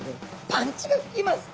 パンチが効きます。